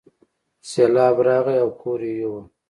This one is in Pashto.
سیلاب راغی او کور یې یووړ.